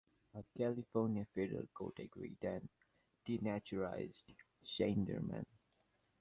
A California federal court agreed and denaturalized Schneiderman.